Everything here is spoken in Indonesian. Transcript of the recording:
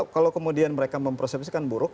kalau kemudian mereka mempersepsikan buruk